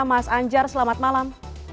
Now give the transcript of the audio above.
mas anjar selamat malam